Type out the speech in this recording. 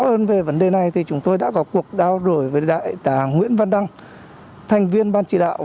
hơn về vấn đề này thì chúng tôi đã có cuộc trao đổi với đại tá nguyễn văn đăng thành viên ban chỉ đạo